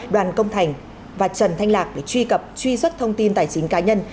đoàn công thành và trần thanh lạc để truy cập truy xuất thông tin tài chính cá nhân